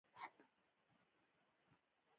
د څه کول مې خوښيږي؟